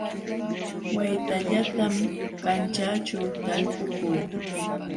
Waytallatam kanćhaaćhu talpukuu